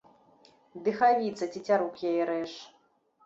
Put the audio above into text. Дыхавіца, цецярук яе рэж.